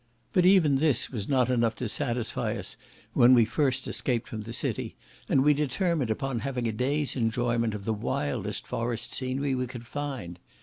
But even this was not enough to satisfy us when we first escaped from the city, and we determined upon having a day's enjoyment of the wildest forest scenery we could find.